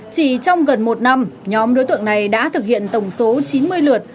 chỉ trong gần một năm nhóm đối tượng này đã thực hiện tổng số chín mươi lượt